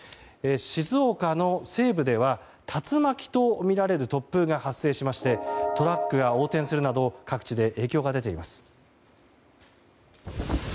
静岡の西部では竜巻とみられる突風が発生しましてトラックが横転するなど各地で影響が出ています。